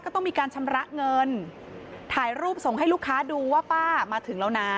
ต้องมีการชำระเงินถ่ายรูปส่งให้ลูกค้าดูว่าป้ามาถึงแล้วนะ